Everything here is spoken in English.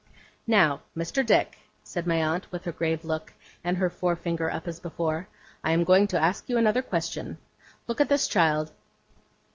'Now, Mr. Dick,' said my aunt, with her grave look, and her forefinger up as before, 'I am going to ask you another question. Look at this child.